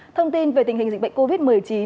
thông tin về tình hình dịch bệnh covid một mươi chín